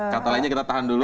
kata lainnya kita tahan dulu